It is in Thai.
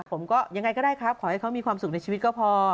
ผมก็ยังไงก็ได้ครับขอให้เขามีความสุขในชีวิตก็พอ